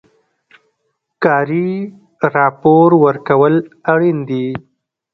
کاري راپور ورکول اړین دي